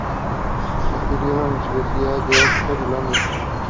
Paulo Bento was suspended for this game.